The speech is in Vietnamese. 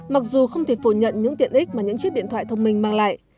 mặc dù không thể phủ nhận những tiện ích mà những chiếc điện thoại thông minh mang lại